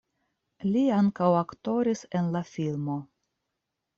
Li ankaŭ aktoris en la filmo.